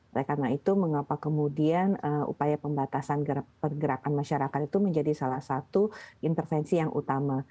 oleh karena itu mengapa kemudian upaya pembatasan pergerakan masyarakat itu menjadi salah satu intervensi yang utama